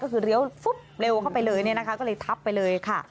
ก็คือการเหลวเฟิบเลวเข้าไปเลย